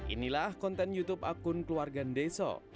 inilah konten youtube akun keluarga ndeso